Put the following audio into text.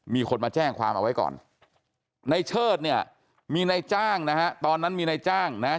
มีคนมาแจ้งความเอาไว้ก่อนในเชิดเนี่ยมีนายจ้างนะฮะตอนนั้นมีนายจ้างนะฮะ